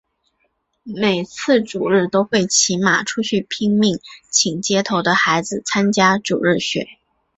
每次主日都会骑马出去拼命请街头的孩子参加主日学。